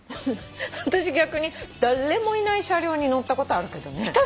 私逆に誰もいない車両に乗ったことあるけどね。